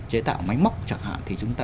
chế tạo máy móc chẳng hạn thì chúng ta